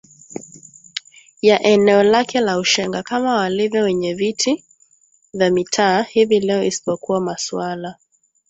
ya eneo lake la Ushenga kama walivyo Wenyeviti wa Mitaa hivi leo isipokuwa masuala